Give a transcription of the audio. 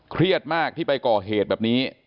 เครียดมากที่ไปก่อเหตุแบบนี้